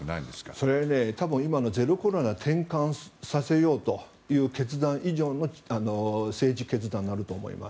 それは今のゼロコロナ転換させようという決断以上の政治決断になると思います。